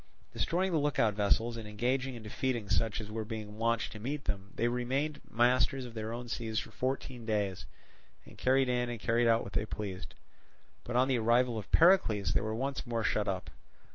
Destroying the look out vessels, and engaging and defeating such as were being launched to meet them, they remained masters of their own seas for fourteen days, and carried in and carried out what they pleased. But on the arrival of Pericles, they were once more shut up.